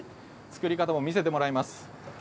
作り方を見せてもらいます。